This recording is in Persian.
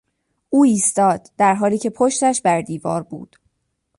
او ایستاد در حالی که پشتش بر دیوار بود.